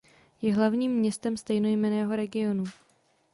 Je hlavním městem stejnojmenného regionu.